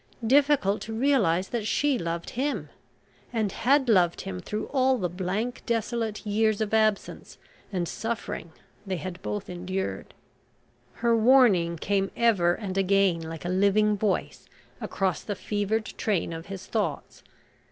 difficult to realise that she loved him and had loved him through all the blank, desolate years of absence and suffering they had both endured. Her warning came ever and again like a living voice across the fevered train of his thoughts.